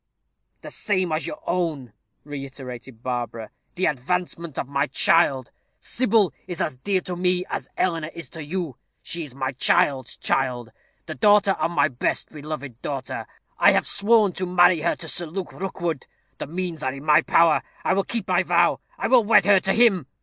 "The same as your own," reiterated Barbara "the advancement of my child. Sybil is as dear to me as Eleanor is to you. She is my child's child, the daughter of my best beloved daughter. I have sworn to marry her to Sir Luke Rookwood. The means are in my power. I will keep my vow; I will wed her to him.